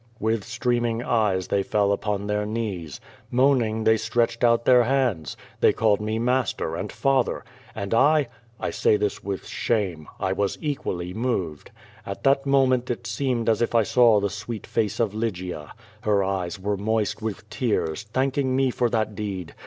With streaming eyes, they fell upon their knees. ^Moaning they stretched out their hands. They called me Master and Fatlier. And I — I say this with shame — I was equally moved. At that moment it seemed as if I saw the sweet face of Lygia. Her eyes were moist with tears, thanking me for that deed.